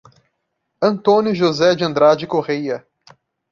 Antônio José de Andrade Correia